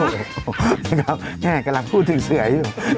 โอ้โฮคุณครับแม่กำลังพูดถึงเสืออยู่